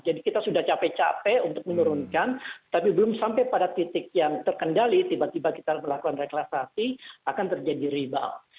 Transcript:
jadi kita sudah capek capek untuk menurunkan tapi belum sampai pada titik yang terkendali tiba tiba kita melakukan reklasasi akan terjadi rebound